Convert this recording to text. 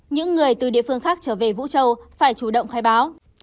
những người từ địa phương khác trở về vũ châu phải chủ động khai báo